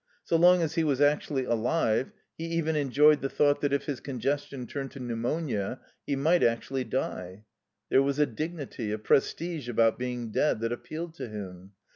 So long as he was actually alive he even enjoyed the thought that, if his congestion turned to pneumonia, he might actually die. There was a dignity, a prestige about being dead that appealed to him.